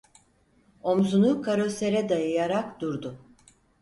Omzunu karosere dayayarak durdu.